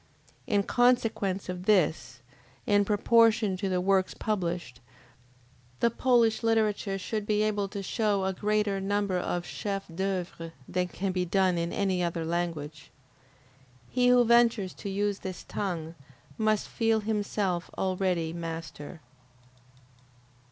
In consequence of this, in proportion to the works published, the Polish literature should be able to show a greater number of chefs d'oeuvre than can be done in any other language. He who ventures to use this tongue, must feel himself already master.